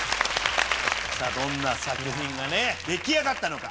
どんな作品が出来上がったのか。